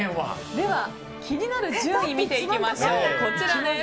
では気になる順位を見ていきましょう。